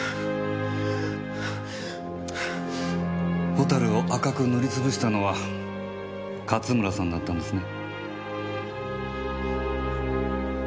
ホタルを赤く塗りつぶしたのは勝村さんだったんですね。